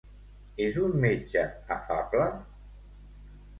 És un metge afable?